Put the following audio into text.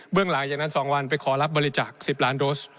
หลังจากนั้น๒วันไปขอรับบริจาค๑๐ล้านโดส